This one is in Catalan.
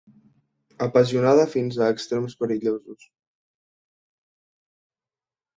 Apassionada fins a extrems perillosos.